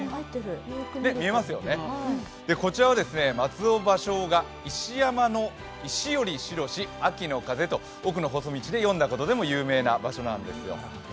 見えますよね、こちらは松尾芭蕉が「石山の石より白し秋の風」と「奥の細道」で詠んだことでも有名なんですよ。